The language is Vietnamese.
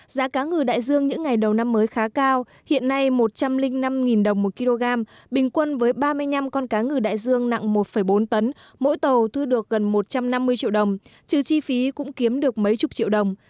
giá cá ngừ đại dương những ngày đầu năm mới khá cao hiện nay một trăm linh năm đồng một kg bình quân với ba mươi năm con cá ngừ đại dương nặng một bốn tấn mỗi tàu thu được gần một trăm năm mươi triệu đồng trừ chi phí cũng kiếm được mấy chục triệu đồng